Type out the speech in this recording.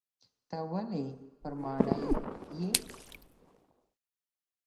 ته ولي پر ماڼي یې ؟